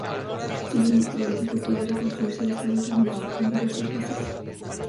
Siguiendo esta lógica puede reconstruirse el estadio tecnológico en diversas fases.